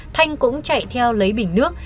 thanh cũng chạy theo lấy bình nước